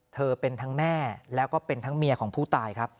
เธอเป็นทั้งแม่แล้วก็เป็นทั้งเมียของผู้ตายครับ